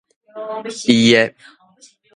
伊的